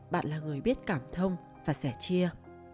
bạn là người biết cảm thông và sẻ chia